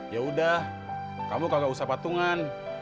ya udah kamu kagak usah patungan